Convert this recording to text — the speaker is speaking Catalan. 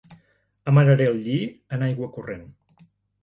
Amararé el lli en aigua corrent.